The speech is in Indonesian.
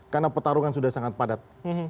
karena pertarungan sudah sangat padat